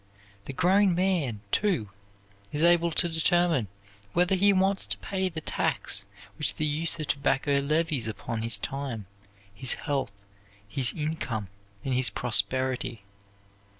The grown man, too, is able to determine whether he wants to pay the tax which the use of tobacco levies upon his time, his health, his income and his prosperity.